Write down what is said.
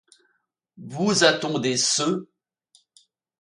Vous ha-t-on deceu ?